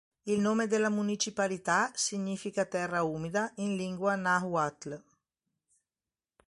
Il nome della municipalità significa "Terra umida" in lingua nahuatl.